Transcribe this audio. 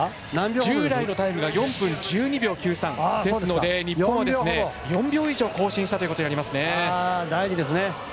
従来のタイムが４分１２秒９３ですのでですので、日本は４秒以上更新したということになります。